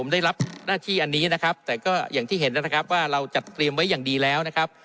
ได้รับหน้าที่อันนี้นะครับแต่ก็อย่างที่เห็นนะครับว่าเราจัดเตรียมไว้อย่างดีแล้วนะครับ